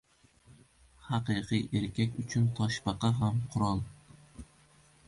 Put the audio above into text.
• Haqiqiy erkak uchun toshbaqa ham qurol.